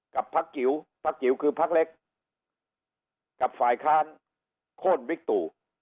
กับพักจิ๋วพักจิ๋วคือพักเล็กกับฝ่ายค้านโค้นบิ๊กตู